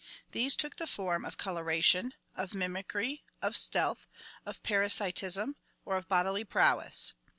These took the form of coloration, of mimicry, of stealth, of parasitism, or of bodily prowess.